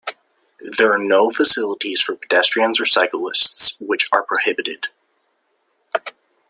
There are no facilities for pedestrians or cyclists, which are prohibited.